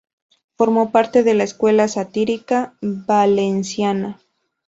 Formó parte de la Escuela Satírica Valenciana.